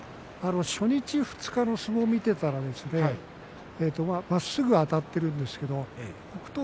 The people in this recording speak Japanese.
初日、二日の相撲を見ていると、まっすぐにあたっているんですけど北勝